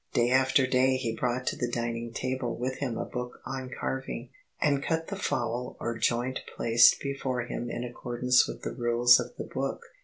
Day after day he brought to the dining table with him a book on carving, and cut the fowl or joint placed before him in accordance with the rules of the book.